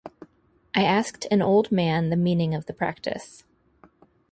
I asked an old man the meaning of the practice.